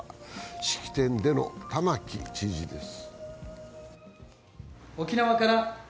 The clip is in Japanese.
式典での玉城知事です。